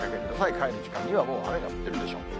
帰る時間にはもう雨が降ってるでしょう。